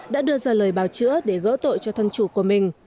đã đưa ra lời báo chữa để gỡ tội cho thân chủ của mình